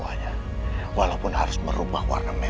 hari ini kau itu kar adjourn sebuah pernikahan office